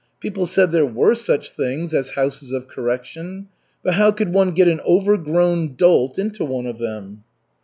People said there were such things as houses of correction. But how could one get an overgrown dolt into one of them?